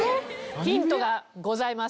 ヒントがございます。